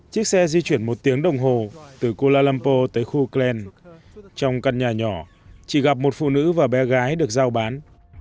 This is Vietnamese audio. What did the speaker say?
chiếc xe di chuyển một tiếng đồng hồ từ kuala lumpur tới khu klen trong căn nhà nhỏ chị gặp một phụ nữ và bé gái được giao bán